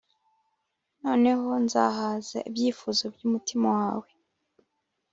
noneho nzahaza ibyifuzo byumutima wawe